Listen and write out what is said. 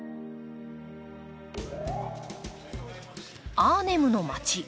アーネムの街。